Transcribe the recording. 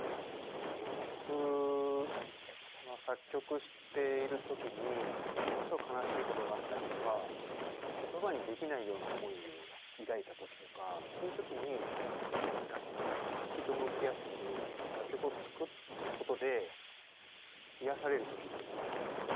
僕は作曲している時にものすごい悲しいことがあったりとか言葉にできないような思いを抱いた時とかそういう時に楽器と向き合ったり楽曲を作ることで癒やされる時ってのがあるんですよね。